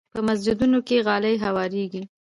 په مسجدونو کې غالۍ هوارېږي.